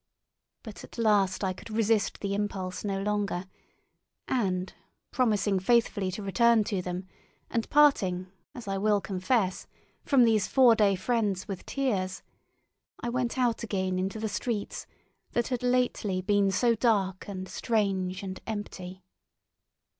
But at last I could resist the impulse no longer, and, promising faithfully to return to them, and parting, as I will confess, from these four day friends with tears, I went out again into the streets that had lately been so dark and strange and empty.